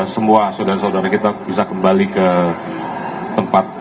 semua saudara saudara kita bisa kembali ke tempat